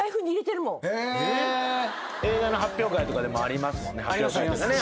映画の発表会とかでもありますしね。